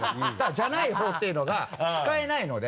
「じゃない方」っていうのが使えないので。